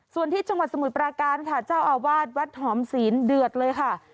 ส่วนที่จังหวัดสมุดประการจะอาวาทวัดถอมศีลเดือดเลยค่ะ